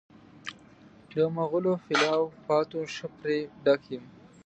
د مغلو پلاو پاتو ښه پرې ډک یم.